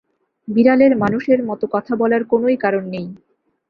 বিড়ালের মানুষের মতো কথা বলার কোনোই কারণ নেই।